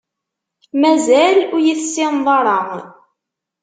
Mazal ur iyi-tessineḍ ara.